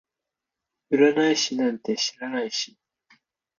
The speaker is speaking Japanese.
占い師なんて知らないし